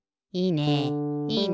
いいね。